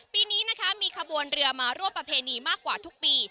ปีนี้นะคะมีขบวนเรือมาร่วมประเพณีมากกว่าทุกปี